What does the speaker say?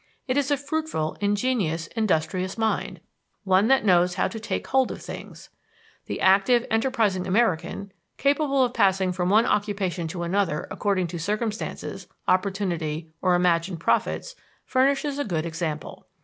It is a fruitful, ingenious, industrious mind, one that knows how to "take hold of things." The active, enterprising American, capable of passing from one occupation to another according to circumstances, opportunity, or imagined profits, furnishes a good example.